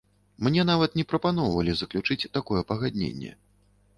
Мне нават не прапаноўвалі заключыць такое пагадненне.